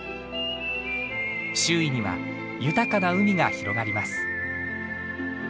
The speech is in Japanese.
周囲には豊かな海が広がります。